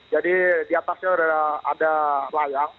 jadi di atasnya ada layang